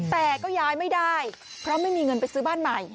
แต่ก็ย้ายไม่ได้เพราะไม่มีเงินไปซื้อบ้านใหม่